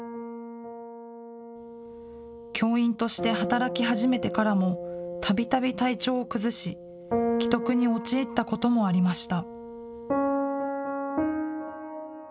教員として働き始めてからも、たびたび体調を崩し、危篤に陥ったこともありました。